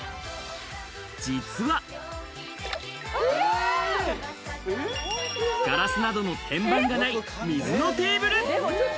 実は、ガラスなどの天板がない水のテーブル。